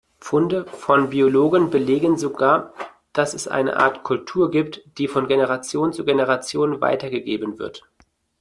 Funde von Biologen belegen sogar, dass es eine Art Kultur gibt, die von Generation zu Generation weitergegeben wird.